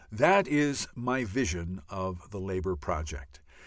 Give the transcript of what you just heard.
That is my vision of the Labour project.